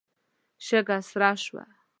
شګه سړه شوه.